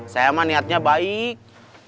saya mah niatnya baik